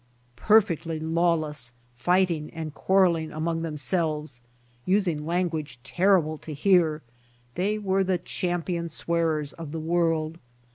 Perfectly lawless, fighting and quarrel ing among themselves, using language terrible to hear, they were the champion swearers of the world.